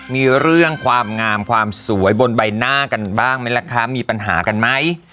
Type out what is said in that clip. มีเรื่องความงามความสวยบนใบหน้ากันบ้างไหมล่ะคะมีปัญหากันไหม